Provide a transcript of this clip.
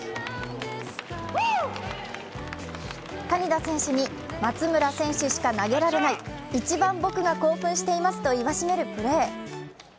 谷田選手に松村選手しか投げられない、一番僕が興奮していますと言わしめるプレー。